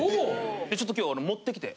ちょっと今日持ってきて。